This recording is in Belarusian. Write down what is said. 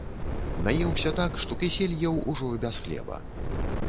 Наеўся так, што кісель еў ужо без хлеба.